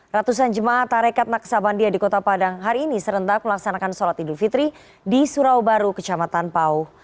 ratusan jemaah tarekat naksabandia di kota padang hari ini serentak melaksanakan sholat idul fitri di surau baru kecamatan pau